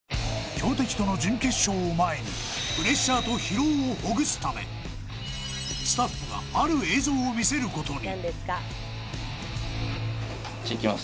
強敵との準決勝を前にプレッシャーと疲労をほぐすためスタッフがじゃあいきます